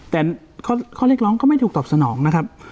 แต่ข้อเรียกร้องก็ไม่ถูกตอบสนองนะครับ